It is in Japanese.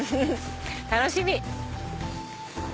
楽しみ！